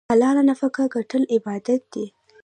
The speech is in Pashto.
حلاله نفقه ګټل عبادت دی.